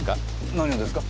何をですか？